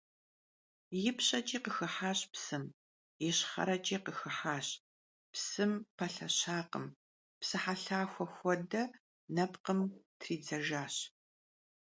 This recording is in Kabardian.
Yipşeç'i khışıxıhaş psım, yişxhereç'i khışıxıhaş – psım pelheşakhım: psıhelhaxue xuede nepkhım tridzejjaş.